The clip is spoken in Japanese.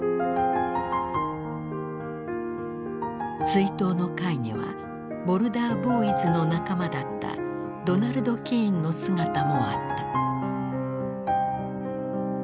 追悼の会にはボルダー・ボーイズの仲間だったドナルド・キーンの姿もあった。